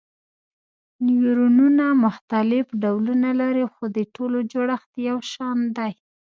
نیورونونه مختلف ډولونه لري خو د ټولو جوړښت یو شان دی.